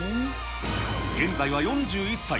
現在は４１歳。